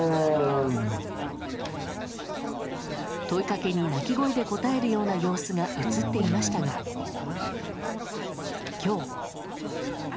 問いかけに鳴き声で答えるような様子が映っていましたが今日。